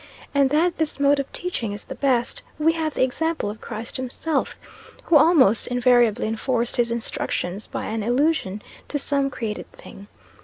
And that this mode of teaching is the best, we have the example of Christ himself, who almost invariably enforced his instructions by an allusion to some created thing.